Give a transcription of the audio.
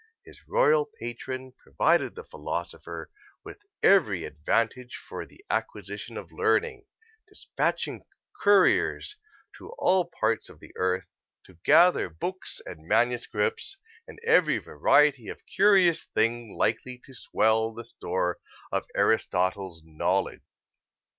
His royal patron provided the philosopher with every advantage for the acquisition of learning, dispatching couriers to all parts of the earth to gather books and manuscripts and every variety of curious thing likely to swell the store of Aristotle's knowledge.